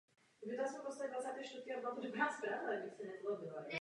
Její komerční práce zahrnují módní a portrétní fotografii.